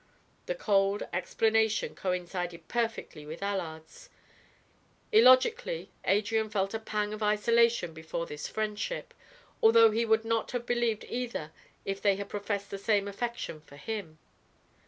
The cold explanation coincided perfectly with Allard's; illogically Adrian felt a pang of isolation before this friendship, although he would not have believed either if they had professed the same affection for him.